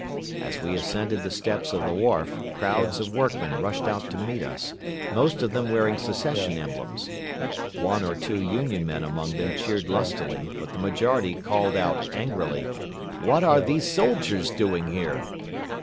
As we ascended the steps of the wharf, crowds of workmen rushed out to meet us, most of them wearing secession emblems. One or two Union men among them cheered lustily, but the majority called out angrily, "What are these soldiers doing here?"